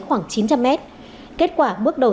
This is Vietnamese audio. khoảng chín trăm linh mét kết quả bước đầu